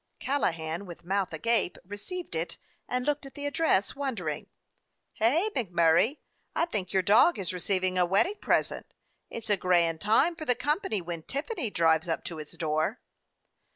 Callahan, with mouth agape, received it and looked at the address, wondering. "Hey, MacMurray, I think your dog is receiving a wedding present. It 's a grand time for the company when Tiffany drives up to its door."